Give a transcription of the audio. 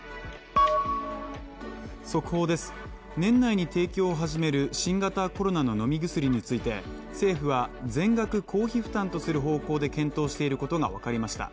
速報です、年内に提供を始める新型コロナ飲み薬について、政府は全額公費負担とする方向で検討していることがわかりました。